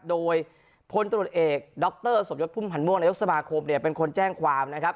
โดยพลตรวจเอกดรสมยศพุ่มพันธ์ม่วงนายกสมาคมเนี่ยเป็นคนแจ้งความนะครับ